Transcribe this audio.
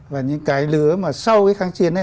và những cái lứa mà sau cái kháng chiến ấy